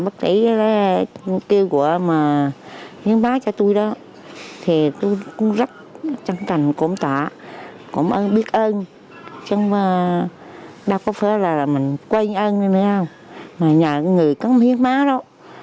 chính là cô bác sĩ ở đây cô ủng hộ rất nhiều